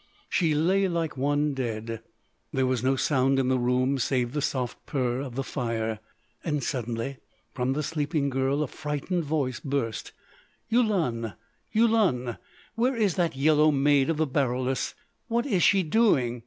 She lay like one dead. There was no sound in the room save the soft purr of the fire. Suddenly from the sleeping girl a frightened voice burst: "Yulun! Yulun! Where is that yellow maid of the Baroulass?... What is she doing?